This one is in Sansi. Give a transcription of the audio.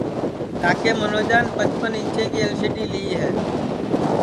کاکے منوجان پچپن اینچیں کی ال سی ڈی لی ہے